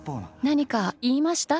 何か言いました？